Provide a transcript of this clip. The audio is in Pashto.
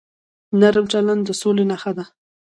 نرم چلند د سولې نښه ده.